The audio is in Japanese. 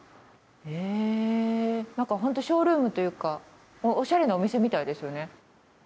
えなんかホントショールームというかおしゃれなお店みたいですよね。